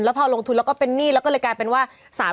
พอลงทุนแล้วก็เป็นหนี้แล้วก็เลยกลายเป็นว่า